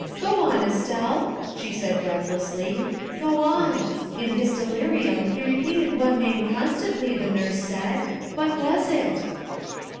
" Go on, Estelle, " she said breathlessly, " go on. In his delirium he repeated one name constantly, the nurse said. What was it?"